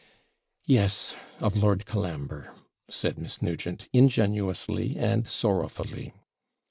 'Yes, of Lord Colambre,' said Miss Nugent, ingenuously and sorrowfully.